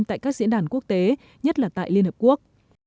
tại các diễn đàn quốc tế nhất là tại liên hợp quốc